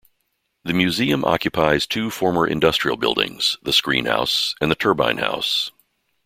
The museum occupies two former industrial buildings, the Screen House and the Turbine House.